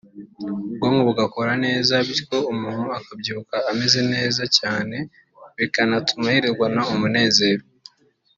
ubwonko bugakora neza bityo umuntu akabyuka ameze neza cyane bikanatuma yirirwana umunezero